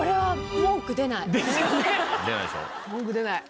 文句出ない。